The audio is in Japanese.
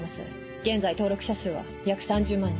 現在登録者数は約３０万人。